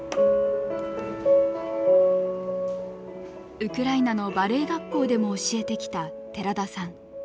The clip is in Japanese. ウクライナのバレエ学校でも教えてきた寺田さん。